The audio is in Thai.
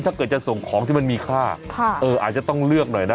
ถ้าเกิดจะส่งของที่มันมีค่าอาจจะต้องเลือกหน่อยนะ